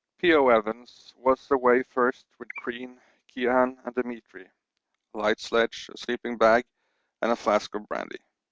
P.O. Evans was away first with Crean, Keohane, and Demetri, a light sledge, a sleeping bag, and a flask of brandy.